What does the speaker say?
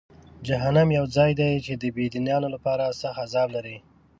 جهنم یو ځای دی چې د بېدینانو لپاره سخت عذاب لري.